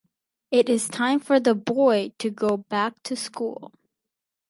It is time for the boy to go back to school.